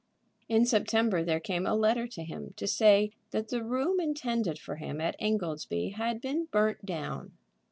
In September there came a letter to him to say that the room intended for him at Ingoldsby had been burnt down.